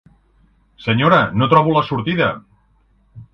Senyora, no trobo la sortida.